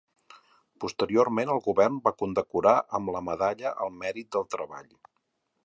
Posteriorment el Govern va condecorar amb la Medalla al Mèrit del Treball.